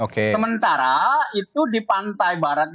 sementara itu di pantai barat